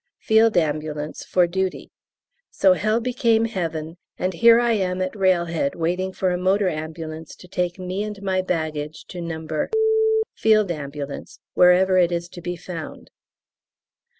Field Ambulance for duty," so hell became heaven, and here I am at railhead waiting for a motor ambulance to take me and my baggage to No. F.A. wherever it is to be found.